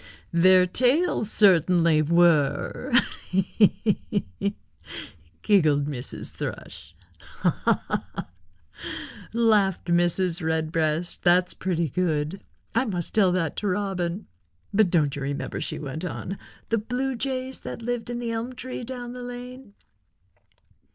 "Their tails certainly were—he, he, he," giggled Mrs. Thrush. "Ha, ha, ha," laughed Mrs. Redbreast. "That's pretty good. I must tell that to Robin. But don't you remember," she went on, "the Blue Jays that lived in the elm tree down the lane?"